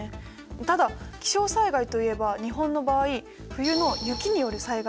ただ気象災害といえば日本の場合冬の雪による災害雪害もあります。